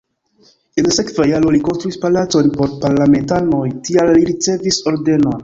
En la sekva jaro li konstruis palacon por parlamentanoj, tial li ricevis ordenon.